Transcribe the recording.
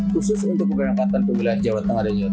khusus untuk pengangkatan ke wilayah jawa tengah dan jawa timur